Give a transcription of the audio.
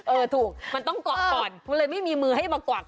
เออถูกมันต้องกรอกก่อนไม่มีมือให้กรอก